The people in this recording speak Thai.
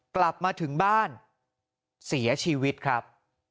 กลับมาถึงบ้านเสียชีวิตครับ